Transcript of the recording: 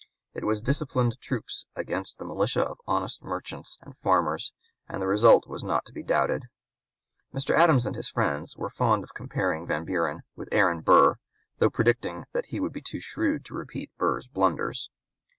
It was disciplined troops against the militia of honest merchants and farmers; and the result was not to be doubted. Mr. Adams and his friends were fond of comparing Van Buren with Aaron Burr, though predicting that he would be too shrewd to repeat Burr's blunders.